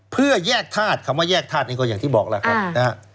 เพื่อแยกธาตุคำว่าแยกธาตุนี้ก็อย่างที่บอกแล้วครับนะฮะ